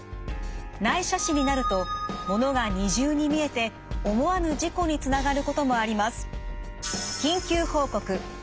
内斜視になると物が二重に見えて思わぬ事故につながることもあります。